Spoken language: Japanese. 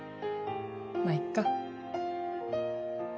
まぁいっか。